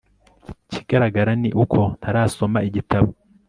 Ikigaragara ni uko ntarasoma igitabo